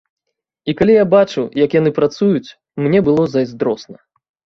І калі я бачыў, як яны працуюць, мне было зайздросна.